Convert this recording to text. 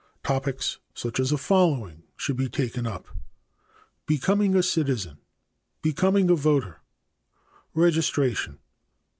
Topics such as the following should be taken up: Becoming a citizen. Becoming a voter. Registration.